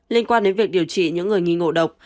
liên quan đến việc điều trị những người nghi ngộ độc